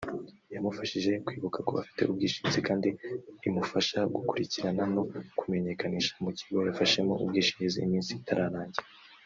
yamufashije kwibuka ko afite ubwishingizi kandi imufasha gukurikirana no kumenyekanisha mu kigo yafashemo ubwishingizi iminsi itararangira